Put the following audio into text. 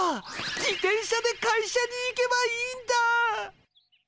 自転車で会社に行けばいいんだ！